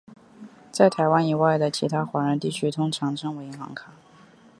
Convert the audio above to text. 在台湾以外的其他华人地区通常称为银行卡。